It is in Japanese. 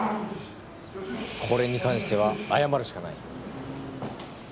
これに関しては謝るしかない。